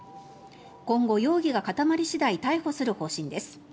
今後、容疑が固まり次第逮捕する方針です。